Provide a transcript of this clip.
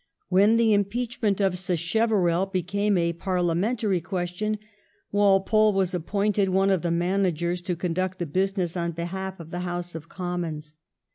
When the impeachment of Sacheverell became a parliamentary question, Walpole was appointed one of the managers to conduct the business on behalf of the House of Commons.